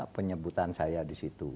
penyebutan saya di situ